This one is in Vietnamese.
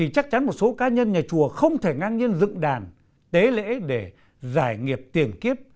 chắc chắn một số cá nhân nhà chùa không thể ngang nhiên dựng đàn tế lễ để giải nghiệp tiền kiếp